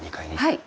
はい。